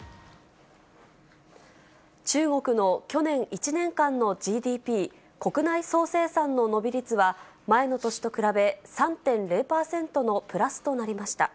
中国の去年１年間のＧＤＰ・国内総生産の伸び率は、前の年と比べ３．０％のプラスとなりました。